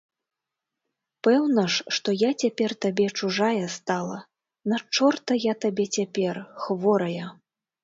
Пэўна ж, што я цяпер табе чужая стала, на чорта я табе цяпер, хворая.